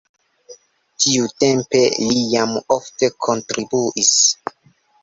Tiutempe li jam ofte kontribuis.